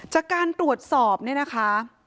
จากการตรวจสอบเนี่ยนะคะ